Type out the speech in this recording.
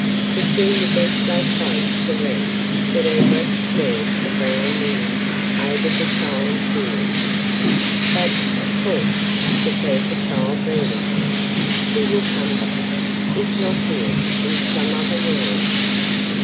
Cecilia bent so close to Wren that her breath stirred the brown ringlets over the child's ears. "But, of course," declared the child vehemently, "he will come back. If not here in some other world."